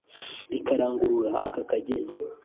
rikarangurura aka kageni